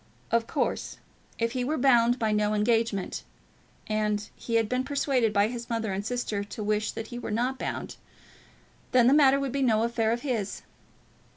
Of course, if he were bound by no engagement, and he had been persuaded by his mother and sister to wish that he were not bound, then the matter would be no affair of his.